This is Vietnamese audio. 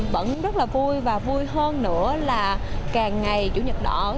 vẫn rất là vui và vui hơn nữa là càng ngày chủ nhật đỏ